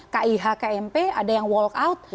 kih kmp ada yang walk out